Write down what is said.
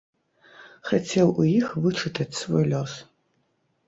Хацеў у іх вычытаць свой лёс.